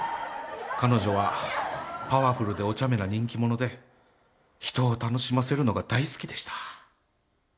彼女はパワフルでおちゃめな人気者で人を楽しませるのが大好きでした。